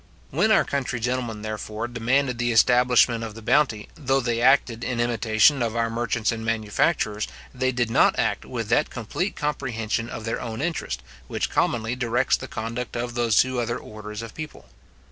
When our country gentlemen, therefore, demanded the establishment of the bounty, though they acted in imitation of our merchants and manufacturers, they did not act with that complete comprehension of their own interest, which commonly directs the conduct of those two other orders of people.